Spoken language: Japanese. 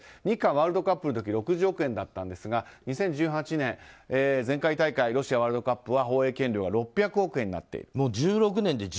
日韓ワールドカップの時６０億円だったんですが２０１８年、前回大会ロシアワールドカップは放映権料が６００億円になっている。